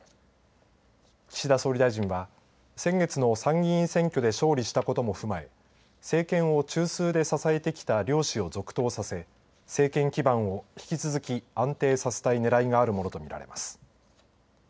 岸田総理大臣は先月の参議院選挙で勝利したことも踏まえ政権を中枢で支えてきた両氏を続投させ政権基盤を引き続き安定させたいねらいがあるものと見られます。